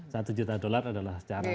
satu juta dollar adalah secara untuk